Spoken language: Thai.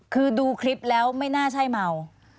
คือดูคลิปแล้วไม่น่าใช่เมา